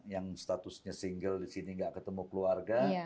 yang statusnya single di sini nggak ketemu keluarga